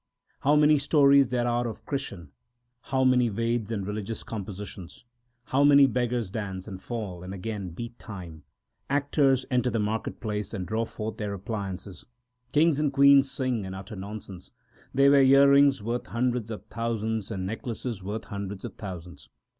How many stories there are of Krishan ! how many Veds and religious compositions ! l How many beggars dance, and fall, and again beat time ! Actors enter the market place and draw forth their appliances ; 2 Kings and queens sing and utter nonsense ; 3 They wear earrings worth hundreds of thousands, and necklaces worth hundreds of thousands.